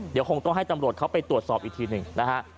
เดี๋ยวคงต้องให้ตำรวจเขาไปตรวจสอบอีกทีหนึ่งนะฮะ